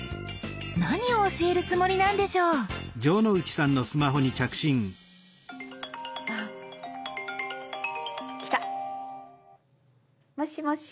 何を教えるつもりなんでしょう？来た！もしもし。